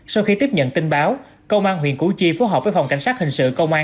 sau khi tiếp nhận tin báo công an huyện củ chi phối hợp với phòng cảnh sát hình sự công an